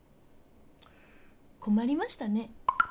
コマりましたね。